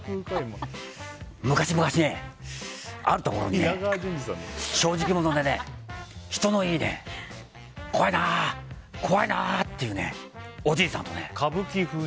昔々ね、あるところにね正直者でね、人のいいね怖いなぁ、怖いなぁっていうねおじいさんとね。